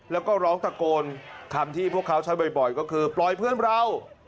แล้วก็ร้องตะโกนคำที่พวกเขาใช้บ่อยก็คือปล่อยเพื่อนเรา